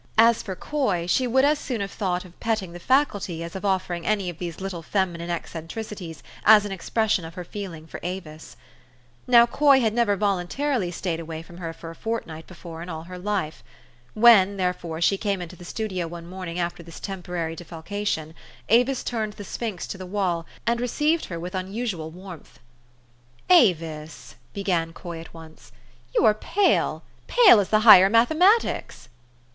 As for Coy, she would as soon have thought of petting the Faculty as of offering any of these little feminine eccentrici ties as an expression of her feeling for Avis. Now, Coy had never voluntarily staid away from her a fortnight before in all her life. When, there fore, she came into the studio one morning after this temporary defalcation, Avis turned the sphinx to the wall, and received her with unusual warmth. 4 'Avis," began Coy at once, "you are pale, pale as the higher mathematics."